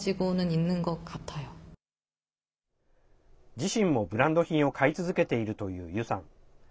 自身も、ブランド品を買い続けているというユさん。